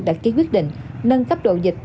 đã ký quyết định nâng cấp độ dịch